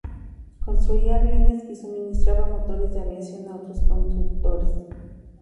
Construía aviones y suministraba motores de aviación a otros constructores.